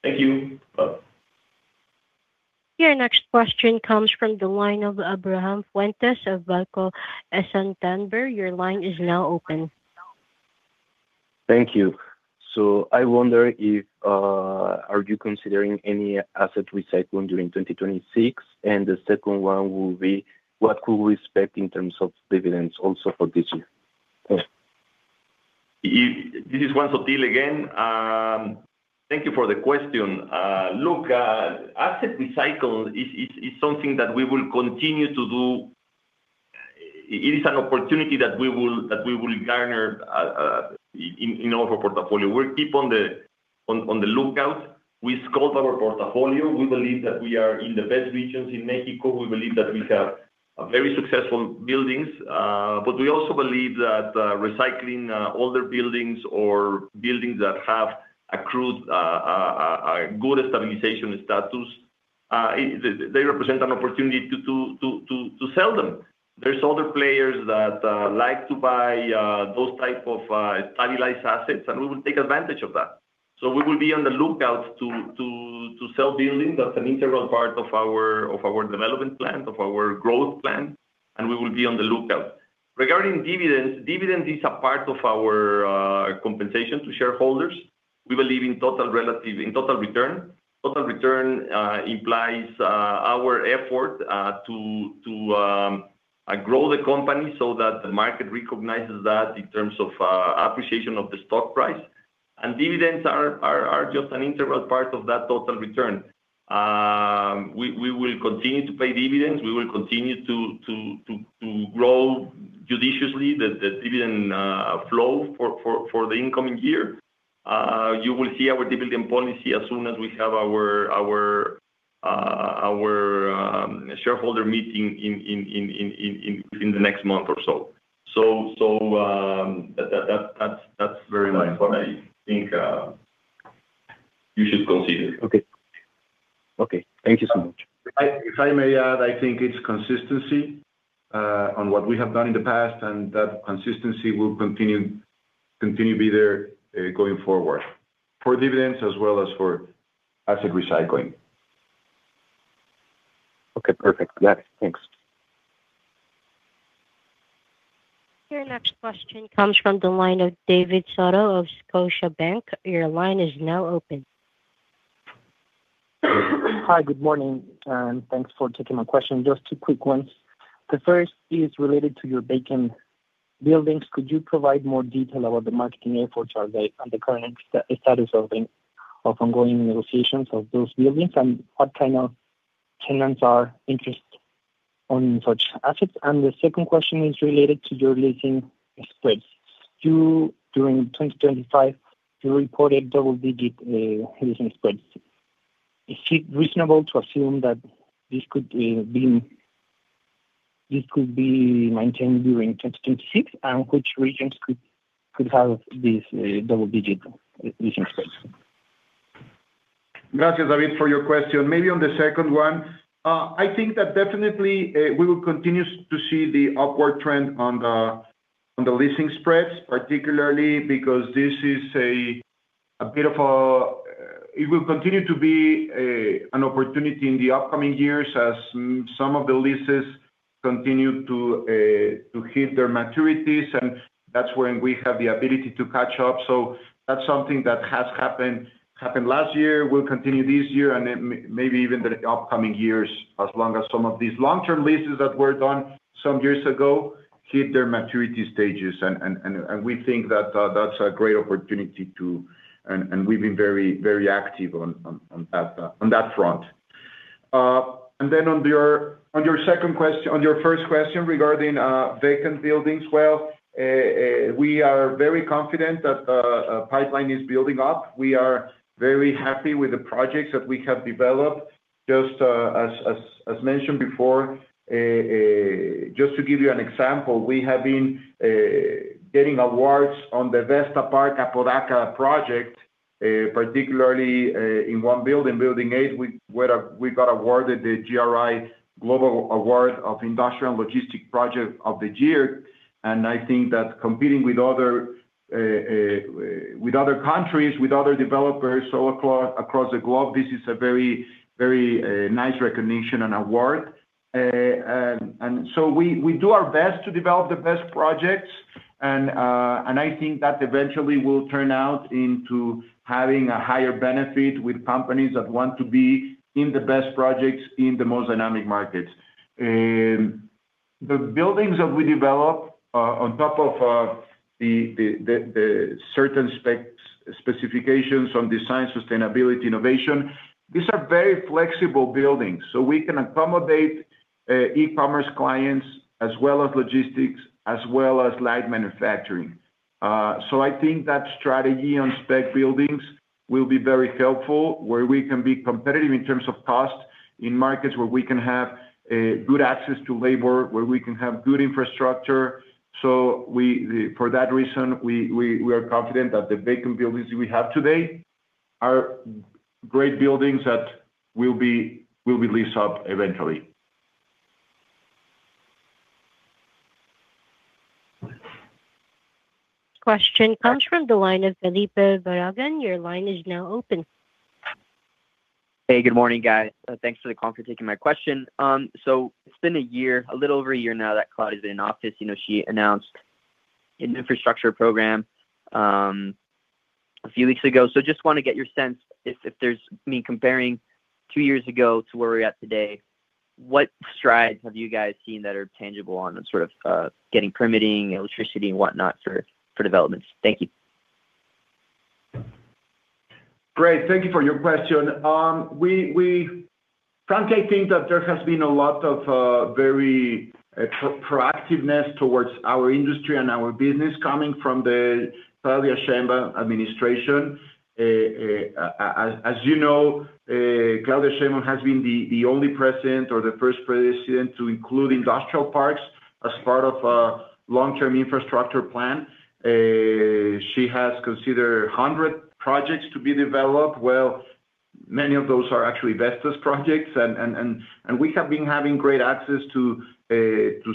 Thank you. Bye. Your next question comes from the line of Abraham Fuentes of Banco Santander. Your line is now open. Thank you. So I wonder if are you considering any asset recycling during 2026? And the second one will be: What could we expect in terms of dividends also for this year? This is Juan Sottil again. Thank you for the question. Look, asset recycle is something that we will continue to do. It is an opportunity that we will garner in our portfolio. We'll keep on the lookout. We sculpt our portfolio. We believe that we are in the best regions in Mexico. We believe that we have very successful buildings, but we also believe that recycling older buildings or buildings that have accrued a good stabilization status, they represent an opportunity to sell them. There's other players that like to buy those type of stabilized assets, and we will take advantage of that. So we will be on the lookout to sell buildings. That's an integral part of our development plan, of our growth plan, and we will be on the lookout. Regarding dividends, dividends is a part of our compensation to shareholders. We believe in total relative, in total return. Total return implies our effort to grow the company so that the market recognizes that in terms of appreciation of the stock price. And dividends are just an integral part of that total return. We will continue to pay dividends. We will continue to grow judiciously the dividend flow for the incoming year. You will see our dividend policy as soon as we have our shareholder meeting in the next month or so. So, that's very much what I think you should consider. Okay. Okay, thank you so much. If I may add, I think it's consistency on what we have done in the past, and that consistency will continue to be there going forward, for dividends as well as for asset recycling. Okay, perfect. Yeah, thanks. Your next question comes from the line of David Soto of Scotiabank. Your line is now open. Hi, good morning, and thanks for taking my question. Just two quick ones. The first is related to your vacant buildings. Could you provide more detail about the marketing efforts and the current status of the ongoing negotiations of those buildings, and what kind of tenants are interested on such assets? And the second question is related to your leasing spreads. You during 2025 you reported double-digit leasing spreads. Is it reasonable to assume that this could be maintained during 2026? And which regions could have this double-digit leasing spreads? Gracias, David, for your question. Maybe on the second one, I think that definitely we will continue to see the upward trend on the leasing spreads, particularly because this is a bit of a... It will continue to be an opportunity in the upcoming years as some of the leases continue to hit their maturities, and that's when we have the ability to catch up. So that's something that has happened last year, will continue this year, and then maybe even the upcoming years, as long as some of these long-term leases that were done some years ago hit their maturity stages. And we think that that's a great opportunity to and we've been very active on that front. And then on your first question regarding vacant buildings, well, we are very confident that pipeline is building up. We are very happy with the projects that we have developed. Just as mentioned before, just to give you an example, we have been getting awards on the Vesta Park Apodaca project, particularly in one building, Building 8, where we got awarded the GRI Global Award of Industrial Logistic Project of the Year. And I think that competing with other countries, with other developers across the globe, this is a very nice recognition and award. So we do our best to develop the best projects, and I think that eventually will turn out into having a higher benefit with companies that want to be in the best projects, in the most dynamic markets. The buildings that we develop, on top of certain specs, specifications on design, sustainability, innovation, these are very flexible buildings, so we can accommodate e-commerce clients, as well as logistics, as well as light manufacturing. So I think that strategy on spec buildings will be very helpful, where we can be competitive in terms of cost, in markets where we can have a good access to labor, where we can have good infrastructure. So, for that reason, we are confident that the vacant buildings we have today are great buildings that will be leased up eventually. Question comes from the line of Felipe Barragán. Your line is now open. Hey, good morning, guys. Thanks for the call for taking my question. So it's been a year, a little over a year now, that Claudia is in office. You know, she announced an infrastructure program a few weeks ago. So just want to get your sense if, if there's... me comparing two years ago to where we're at today, what strides have you guys seen that are tangible on the sort of getting permitting, electricity and whatnot for developments? Thank you. Great. Thank you for your question. We frankly, I think that there has been a lot of very proactiveness towards our industry and our business coming from the Claudia Sheinbaum administration. As you know, Claudia Sheinbaum has been the only president or the first president to include industrial parks as part of a long-term infrastructure plan. She has considered 100 projects to be developed. Well, many of those are actually Vesta's projects, and we have been having great access to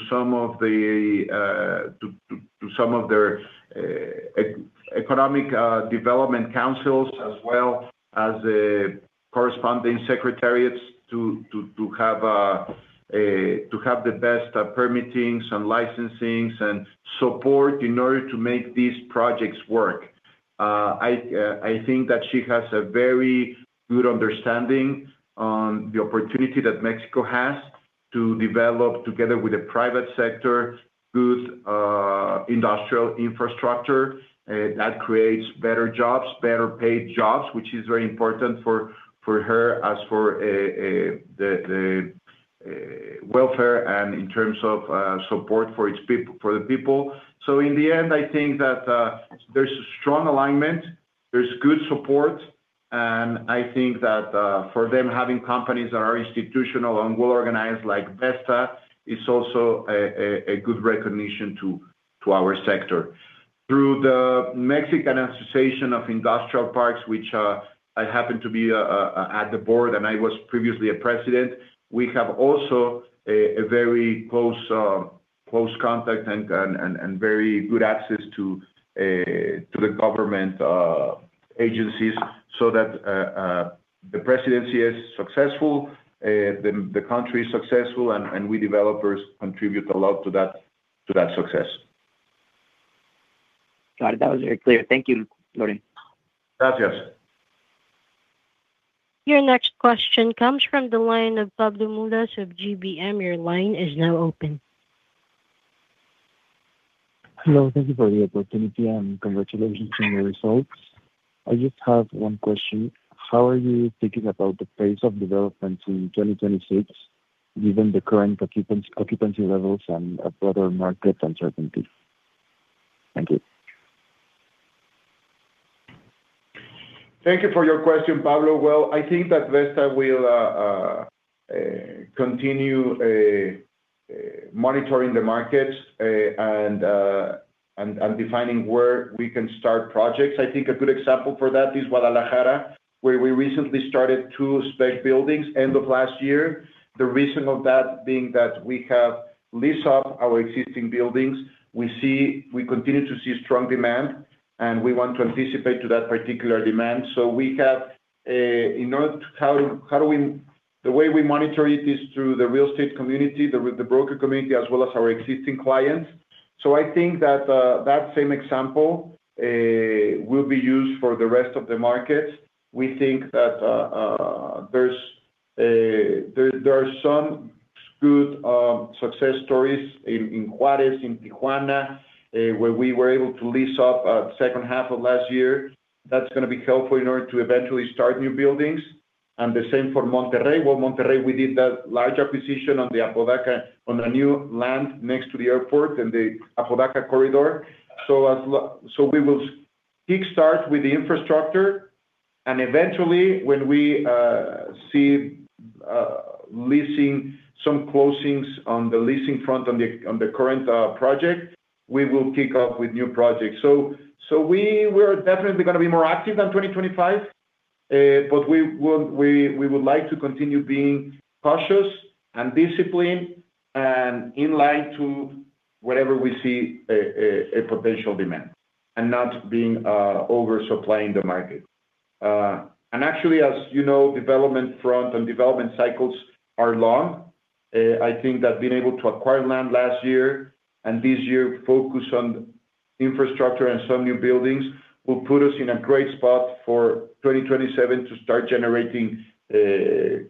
some of the to some of their economic development councils, as well as corresponding secretariats to have the best permitting and licensings and support in order to make these projects work. I think that she has a very good understanding on the opportunity that Mexico has to develop together with the private sector, good industrial infrastructure that creates better jobs, better paid jobs, which is very important for her as for the welfare and in terms of support for its people - for the people. So in the end, I think that there's a strong alignment, there's good support, and I think that for them, having companies that are institutional and well-organized like Vesta, is also a good recognition to our sector. Through the Mexican Association of Industrial Parks, which, I happen to be at the board, and I was previously a president, we have also a very close contact and very good access to the government agencies, so that the presidency is successful, the country is successful, and we developers contribute a lot to that success. Got it. That was very clear. Thank you, Loren. Gracias. Your next question comes from the line of Pablo Mulas of GBM. Your line is now open. Hello, thank you for the opportunity, and congratulations on your results. I just have one question: How are you thinking about the pace of development in 2026, given the current occupancy levels and a broader market uncertainty? Thank you. Thank you for your question, Pablo. Well, I think that Vesta will continue monitoring the markets, and defining where we can start projects. I think a good example for that is Guadalajara, where we recently started two spec buildings end of last year. The reason of that being that we have leased up our existing buildings. We continue to see strong demand, and we want to anticipate to that particular demand. The way we monitor it is through the real estate community, the broker community, as well as our existing clients. So I think that that same example will be used for the rest of the market. We think that there are some good success stories in Juárez, in Tijuana, where we were able to lease up second half of last year. That's gonna be helpful in order to eventually start new buildings, and the same for Monterrey. Well, Monterrey, we did that large acquisition on the Apodaca, on the new land next to the airport in the Apodaca corridor. So we will kick start with the infrastructure, and eventually, when we see leasing some closings on the current project, we will kick off with new projects. We're definitely gonna be more active than 2025, but we would like to continue being cautious and disciplined, and in line to wherever we see a potential demand, and not being over-supply in the market. And actually, as you know, development front and development cycles are long. I think that being able to acquire land last year and this year focus on infrastructure and some new buildings, will put us in a great spot for 2027 to start generating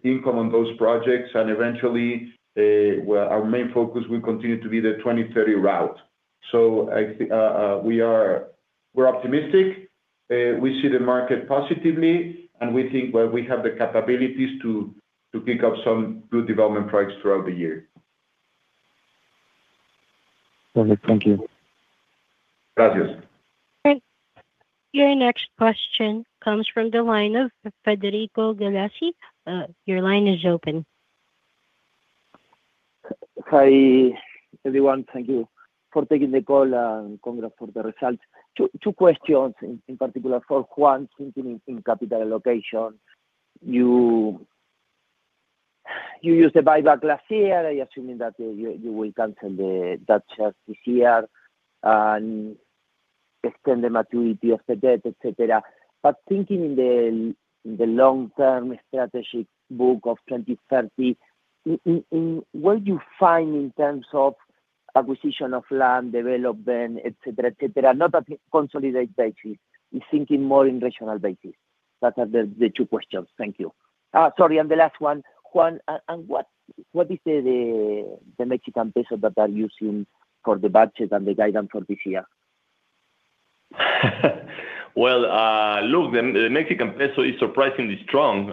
income on those projects. And eventually, well, our main focus will continue to be the Route 2030. I think we are, we're optimistic. We see the market positively, and we think, well, we have the capabilities to pick up some good development projects throughout the year. Perfect. Thank you. Gracias. Your next question comes from the line of Federico Galassi. Your line is open. Hi, everyone. Thank you for taking the call, and congrats for the results. Two questions, in particular for Juan, thinking in capital allocation. You used the buyback last year. I assuming that you will cancel the that share this year and extend the maturity of the debt, et cetera. But thinking in the long-term strategic book of 2030, in what you find in terms of acquisition of land development, et cetera, not at consolidate basis, you're thinking more in rational basis. That are the two questions. Thank you. Sorry, and the last one, Juan, and what is the Mexican peso that are using for the budget and the guidance for this year? Well, look, the Mexican peso is surprisingly strong.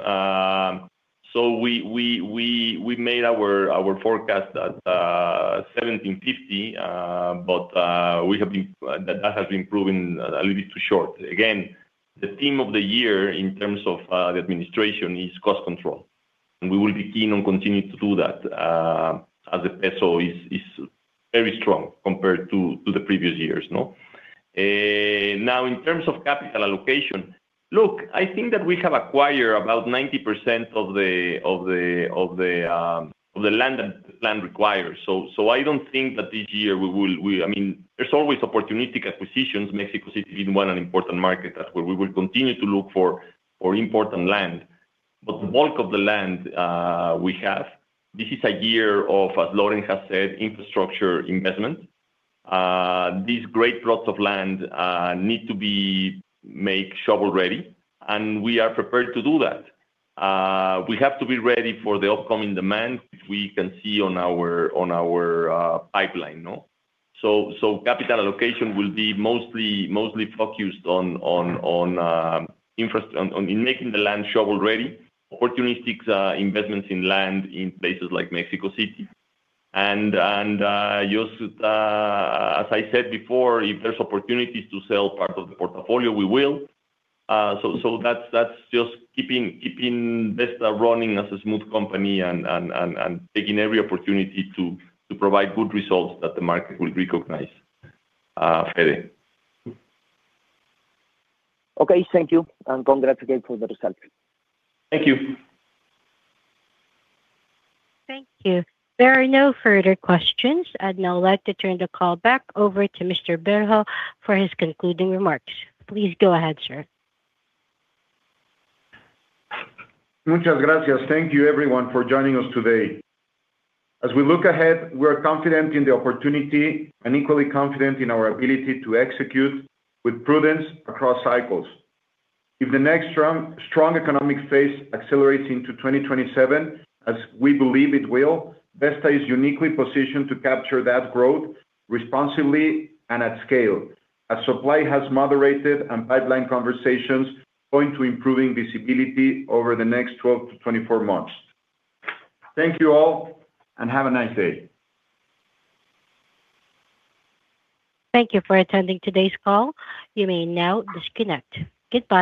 So we made our forecast at 17.50, but we have been-- that has been proven a little bit too short. Again, the theme of the year in terms of the administration is cost control, and we will be keen on continuing to do that as the peso is very strong compared to the previous years, no? Now, in terms of capital allocation, look, I think that we have acquired about 90% of the land that land requires. So I don't think that this year we will-- I mean, there's always opportunistic acquisitions. Mexico City is one, an important market where we will continue to look for important land. But the bulk of the land we have, this is a year of, as Lorenzo has said, infrastructure investment. These great plots of land need to be make shovel-ready, and we are prepared to do that. We have to be ready for the upcoming demand, which we can see on our pipeline, no? So capital allocation will be mostly focused on infrastructure, on making the land shovel-ready, opportunistic investments in land in places like Mexico City. And just, as I said before, if there's opportunities to sell part of the portfolio, we will. So that's just keeping Vesta running as a smooth company and taking every opportunity to provide good results that the market will recognize, Federico. Okay, thank you, and congratulate for the results. Thank you. Thank you. There are no further questions. I'd now like to turn the call back over to Mr. Berho for his concluding remarks. Please go ahead, sir. Muchas gracias. Thank you, everyone, for joining us today. As we look ahead, we're confident in the opportunity and equally confident in our ability to execute with prudence across cycles. If the next strong, strong economic phase accelerates into 2027, as we believe it will, Vesta is uniquely positioned to capture that growth responsibly and at scale, as supply has moderated and pipeline conversations point to improving visibility over the next 12-24 months. Thank you all, and have a nice day. Thank you for attending today's call. You may now disconnect. Goodbye.